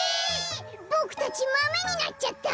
ボクたちマメになっちゃった！？